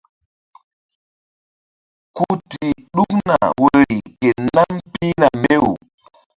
Ku ti ɗukna woyri ke nam pihna mbew.